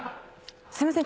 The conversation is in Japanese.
すいません。